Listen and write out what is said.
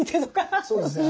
そうですね